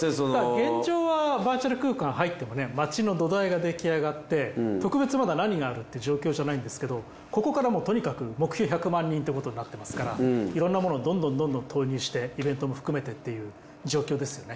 現状はバーチャル空間入ってもね街の土台が出来上がって特別まだ何があるって状況じゃないんですけどここからとにかく目標１００万人ってことになってますからいろんなものをどんどんどんどん投入してイベントも含めてっていう状況ですね。